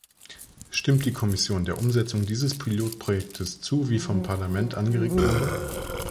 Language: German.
Stimmt die Kommission der Umsetzung dieses Pilotprojekts zu, wie vom Parlament angeregt wurde?